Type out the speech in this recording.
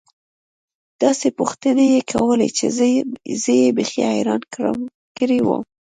داسې پوښتنې يې کولې چې زه يې بيخي حيران کړى وم.